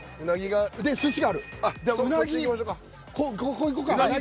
ここ行こうか。